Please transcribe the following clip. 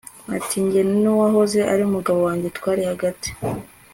Ati Jye nuwahoze ari umugabo wanjye twari hagati